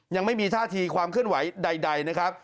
ยังไม่มีท่าทีความเคลื่อนไหวใดนะครับ